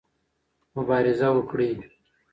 مبارزه وکړئ.